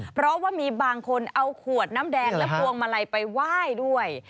เพราะว่ามีบางคนเอาขวดน้ำแดงและพวงมาลัยไปไหว้ด้วย